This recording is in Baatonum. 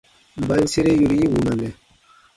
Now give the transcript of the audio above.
Mba n sere yori yi wunanɛ ?